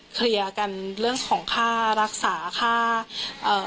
เคลียร์กันเรื่องของค่ารักษาค่าเอ่อ